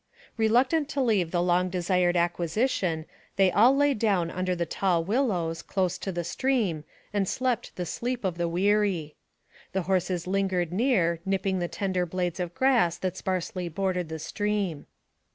Reluctant to leave the long desired acquisition, they all lay down under the tall willows, close to the stream, and slept the sleep of the weary. The horses lingered near, nipping the tender blades of grass that sparsely bordered the stream.